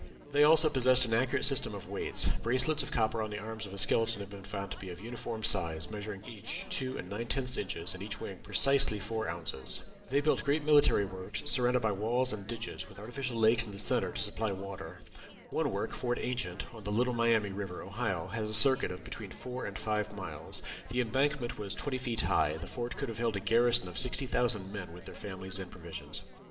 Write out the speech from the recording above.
They also possessed an accurate system of weights; bracelets of copper on the arms of a skeleton have been found to be of uniform size, measuring each two and nine tenth inches, and each weighing precisely four ounces. They built great military works surrounded by walls and ditches, with artificial lakes in the centre to supply water. One work, Fort Ancient, on the Little Miami River, Ohio, has a circuit of between four and five miles; the embankment was twenty feet high; the fort could have held a garrison of sixty thousand men with their families and provisions.